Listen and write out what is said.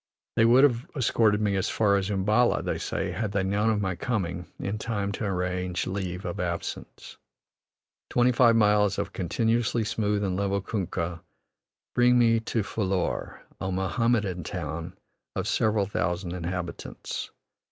They would have escorted me as far as Umballa, they say, had they known of my coming in time to arrange leave' of absence. Twenty five miles of continuously smooth and level kunkah, bring me to Phillour, a Mohammedan town of several thousand inhabitants.